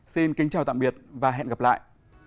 xin kính chào tạm biệt và hẹn gặp lại